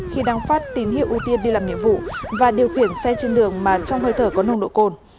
khi đang phát tín hiệu ưu tiên đi làm nhiệm vụ và điều khiển xe trên đường mà trong hơi thở có nồng độ cồn